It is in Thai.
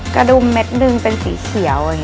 กระดุมเม็ดหนึ่งเป็นสีเขียว